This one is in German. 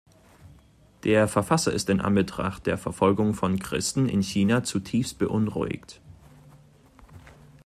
Der Verfasser ist in Anbetracht der Verfolgung von Christen in China zutiefst beunruhigt.